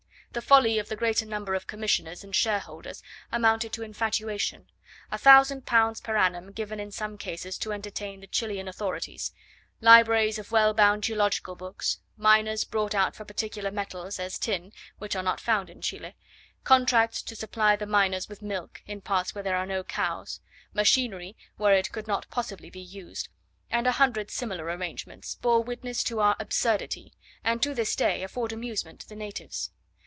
The folly of the greater number of the commissioners and shareholders amounted to infatuation; a thousand pounds per annum given in some cases to entertain the Chilian authorities; libraries of well bound geological books; miners brought out for particular metals, as tin, which are not found in Chile; contracts to supply the miners with milk, in parts where there are no cows; machinery, where it could not possibly be used; and a hundred similar arrangements, bore witness to our absurdity, and to this day afford amusement to the natives.